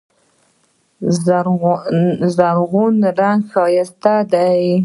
زرغون رنګ ښایسته دی.